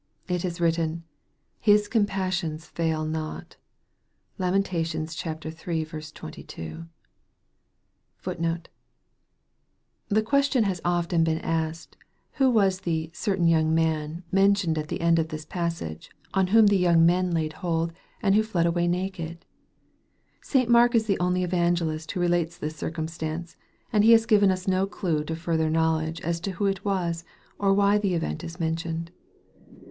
It is written, " His compassions fail not " (Lam. iii. 22.* * The questiou has often been asked, " Who was the ' certain young man,' mentioned at the end of this passage, on whom the young men laid hold, and who fled away naked ?" St. Mark is the only evangelist who relates this circumstance : and he has given us no clue to further knowledge as to who it was, or why the event is mentioned.